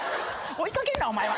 追い掛けんなお前は！